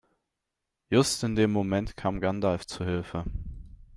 Just in dem Moment kam Gandalf zu Hilfe.